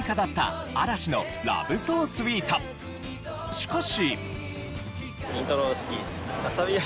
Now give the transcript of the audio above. しかし。